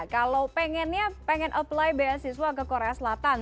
kalau pengennya pengen apply beasiswa ke korea selatan